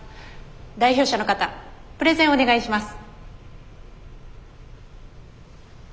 代表者の方プレゼンをお願いします。